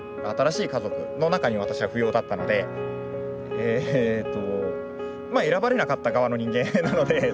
えっと。